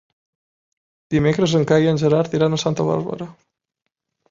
Dimecres en Cai i en Gerard iran a Santa Bàrbara.